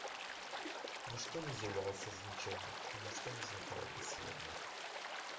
Нішто не з'яўляецца з нічога, і нішто не знікае бясследна.